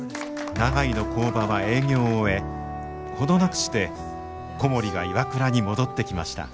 長井の工場は営業を終え程なくして小森がＩＷＡＫＵＲＡに戻ってきました。